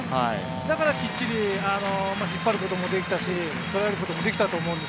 だからきっちり引っ張ることもできたし、とらえることもできたと思うんです。